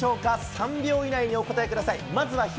３秒以内にお答えください。